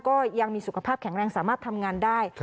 ก็ยังมีสุขภาพแข็งแรงสามารถทำงานได้